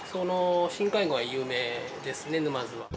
深海魚は有名ですね沼津は。